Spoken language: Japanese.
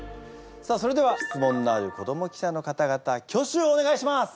さあそれでは質問のある子ども記者の方々挙手をお願いします。